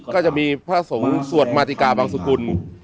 ก็จะมีพระสงฆ์สวดมาติกาบังสุกุล